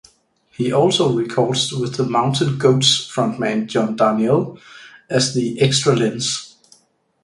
He also records with The Mountain Goats frontman John Darnielle as The Extra Lens.